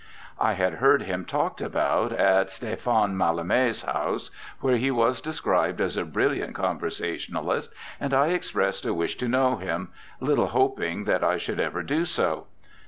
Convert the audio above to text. I had heard him talked about at Stéphane Mallarmé's house, where he was described as a brilliant conversationalist, and I expressed a wish to know him, little hoping that I should ever do so.